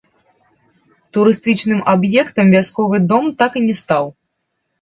Турыстычным аб'ектам вясковы дом так і не стаў.